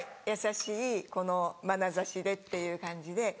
優しいこのまなざしでっていう感じで。